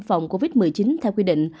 phòng covid một mươi chín theo quy định